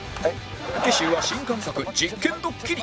次週は新感覚実験ドッキリ